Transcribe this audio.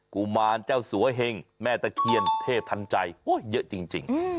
กุมารเจ้าสัวเหงแม่ตะเคียนเทพทันใจเยอะจริง